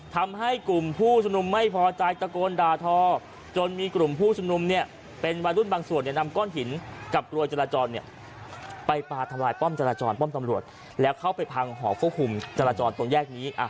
ทำให้กลุ่มผู้ชุมนุมไม่พอใจตะโกนด่าทอจนมีกลุ่มผู้ชุมนุมเนี่ยเป็นวัยรุ่นบางส่วนเนี่ยนำก้อนหินกับกรวยจราจรเนี่ยไปปลาทะลายป้อมจราจรป้อมตำรวจแล้วเข้าไปพังหอควบคุมจราจรตรงแยกนี้